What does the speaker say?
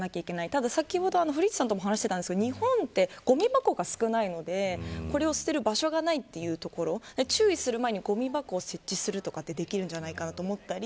ただ先ほど古市さんと話していたんですけど日本はごみ箱が少ないのでこれを捨てる場所がないというところ注意する前にごみ箱を設置するとかできるんじゃないかと思ったり。